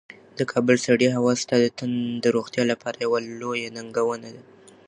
د کابل سړې هوا ستا د تن د روغتیا لپاره یوه لویه ننګونه ده.